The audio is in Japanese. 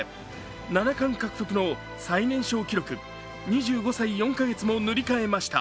七冠獲得の最年少記録２５歳４か月も塗り替えました。